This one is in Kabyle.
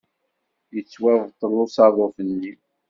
Yettwabṭel usaḍuf-nni.